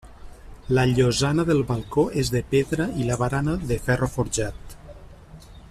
La llosana del balcó és de pedra i la barana de ferro forjat.